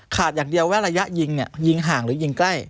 ขาดอย่างเดียวว่าระยะยิงห่างหรือยิงใกล้